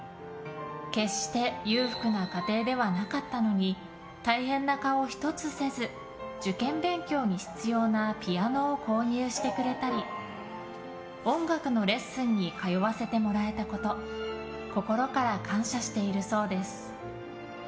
決して裕福な家庭ではなかったのに、大変な顔一つせず受験勉強に必要なピアノを購入してくれたり音楽のレッスンに通わせてもらえたこと心から感謝しているそうです。